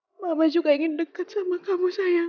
hai mama juga ingin dekat sama kamu sayang